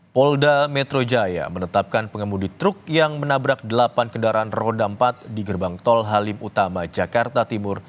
polda metro jaya menetapkan pengemudi truk yang menabrak delapan kendaraan roda empat di gerbang tol halim utama jakarta timur